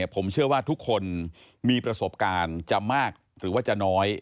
ผมเชื่อว่าทุกคนมีประสบการณ์จะมากหรือว่าจะน้อย